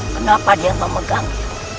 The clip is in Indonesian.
kenapa dia memegangku